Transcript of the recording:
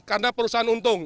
karena perusahaan untung